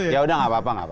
ya udah enggak apa apa